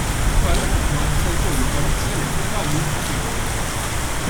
Il-Parlament Malti se jkollu karozza elettrika għall-użu tiegħu.